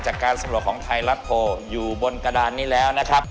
จากการสำรวจของไทยรัฐโพลอยู่บนกระดานนี้แล้วนะครับ